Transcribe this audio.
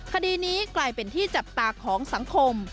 คดีนี้กลายเป็นที่จับตาของสังคม